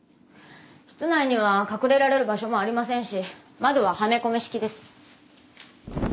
室内には隠れられる場所もありませんし窓ははめ込み式です。